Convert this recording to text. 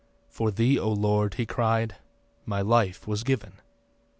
'For thee, O Lord,' he cried, 'my life was given.